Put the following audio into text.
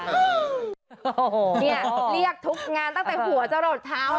เนี่ยเรียกทุกงานตั้งแต่หัวจะหลดเท้าเลยค่ะ